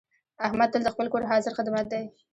احمد تل د خپل کور حاضر خدمت دی.